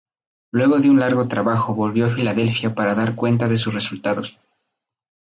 Luego de un largo trabajo volvió a Filadelfia para dar cuenta de sus resultados.